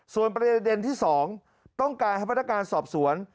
ส่วนประเด็นที่๒ต้องการให้พนักงานสอบสวน